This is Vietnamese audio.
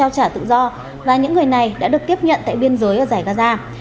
trao trả tự do và những người này đã được tiếp nhận tại biên giới ở giải gaza